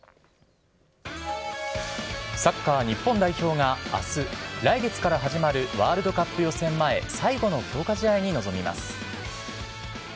サッカー日本代表があす、来月から始まるワールドカップ予選前、最後の強化試合に臨みます。